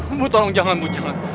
ibu tolong jangan bu jangan